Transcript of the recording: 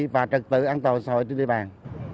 và trật tự an toàn xã hội trên địa bàn